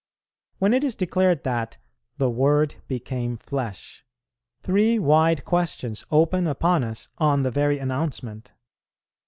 When it is declared that "the Word became flesh," three wide questions open upon us on the very announcement.